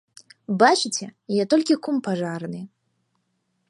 Бачыце, я толькі кум пажарны.